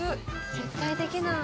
絶対できない。